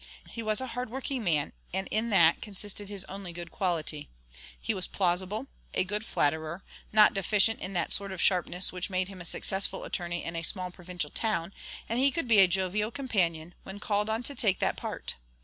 He was a hardworking man, and in that consisted his only good quality; he was plausible, a good flatterer, not deficient in that sort of sharpness which made him a successful attorney in a small provincial town, and he could be a jovial companion, when called on to take that part.